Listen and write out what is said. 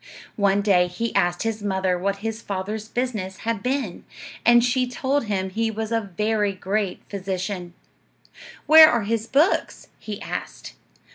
One day he asked his mother what his father's business had been, and she told him he was a very great physician. "Where are his books?" he asked.